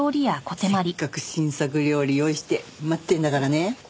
せっかく新作料理用意して待ってるんだからね。